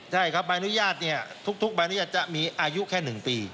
ใช่ครับใบอนุญาตทุกใบอนุญาตจะมีอายุแค่๑ปี